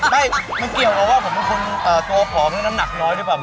ไม่มันเกี่ยวตัวว่าผมเป็นคนตัวผอมและน้ำหนักน้อยดีกว่ามันเดี๋ยวสิ